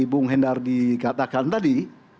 bung hendardi katakan tadi